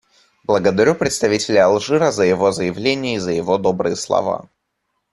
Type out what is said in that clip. Благодарю представителя Алжира за его заявление и за его добрые слова.